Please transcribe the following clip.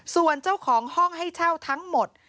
ส่วนเจ้าของห้องให้เช่าทั้งหมด